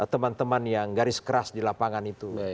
teman teman yang garis keras di lapangan itu